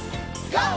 ＧＯ！